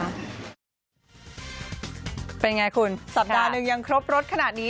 เป็นไงคุณสัปดาห์หนึ่งยังครบรถขนาดนี้